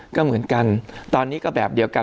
ก็เหมือนกันตอนนี้ก็แบบเดียวกัน